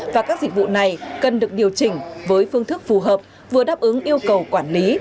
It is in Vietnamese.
và các dịch vụ này cần được điều chỉnh với phương thức phù hợp vừa đáp ứng yêu cầu quản lý